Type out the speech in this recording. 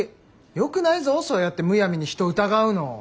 よくないぞそうやってむやみに人を疑うの。